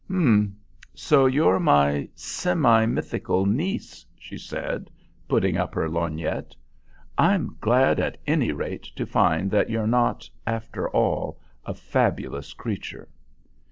"Hm! So you're my semi mythical niece," she said, putting up her lorgnette. "I'm glad at any rate to find that you're not, after all, a fabulous creature."